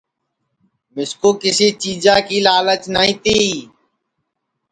مِسکُو کسی چیجا کی لالچ نائی تی